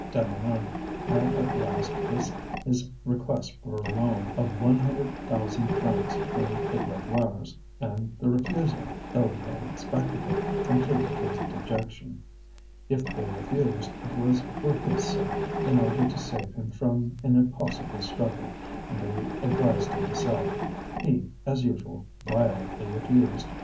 Deneulin had at last risked his request for a loan of one hundred thousand francs from the Grégoires, and the refusal, though he had expected it, completed his dejection: if they refused, it was for his sake, in order to save him from an impossible struggle; and they advised him to sell. He, as usual, violently refused.